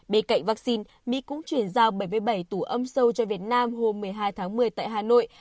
bên cạnh vaccine mỹ cũng chuyển giao bảy mươi bảy tủ âm sâu cho việt nam hôm một mươi hai tháng một mươi tại hà nội